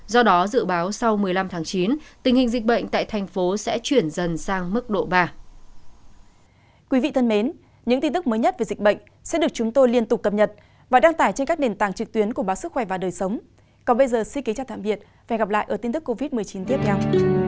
do đó dự báo sau một mươi năm tháng chín tình hình dịch bệnh tại thành phố sẽ chuyển dần sang mức độ ba